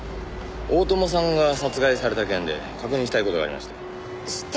大友さんが殺害された件で確認したい事がありまして。